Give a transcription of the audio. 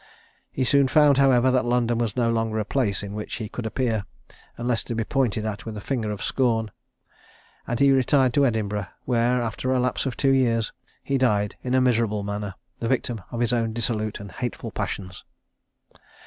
He soon found, however, that London was no longer a place in which he could appear, unless to be pointed at with the finger of scorn; and he retired to Edinburgh, where, after a lapse of two years, he died in a miserable manner, the victim of his own dissolute and hateful passions.